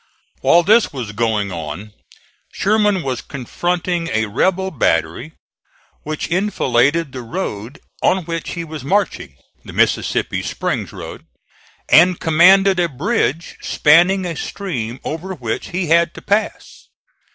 While this was going on Sherman was confronting a rebel battery which enfiladed the road on which he was marching the Mississippi Springs road and commanded a bridge spanning a stream over which he had to pass.